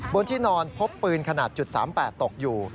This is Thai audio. บนที่นอนพบปืนขนาด๓๘ตกอยู่